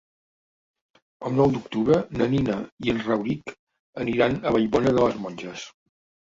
El nou d'octubre na Nina i en Rauric aniran a Vallbona de les Monges.